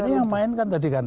ini yang main kan tadi kan